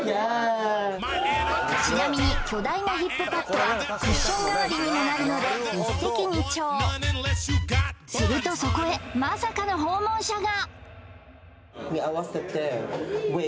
ちなみに巨大なヒップパッドはクッション代わりにもなるので一石二鳥するとそこへまさかの訪問者が！